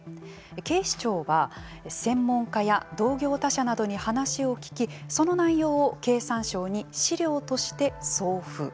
警視庁は専門家や同業他社などに話を聞きその内容を経産省に資料として送付。